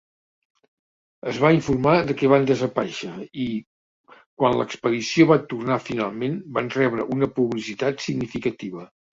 Es va informar de que van desaparèixer i, quan la expedició va tornar finalment, van rebre una publicitat significativa.